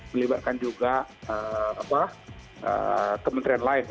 melibatkan juga kementerian lain